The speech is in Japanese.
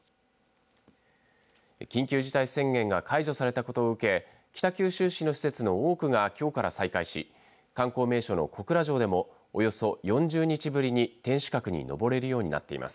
緊急事態宣言が解除されたことを受け北九州市の施設の多くがきょうから再開し観光名所の小倉城でもおよそ４０日ぶりに天守閣に上れるようになっています。